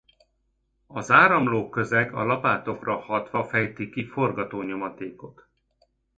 Az áramló közeg a lapátokra hatva fejt ki forgatónyomatékot.